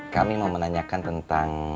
kami mau menanyakan tentang